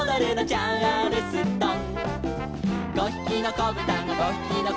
「チャールストン」